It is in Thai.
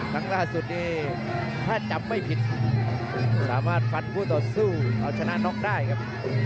ครั้งล่าสุดนี้ถ้าจำไม่ผิดสามารถฟันผู้ต่อสู้เอาชนะน็อกได้ครับ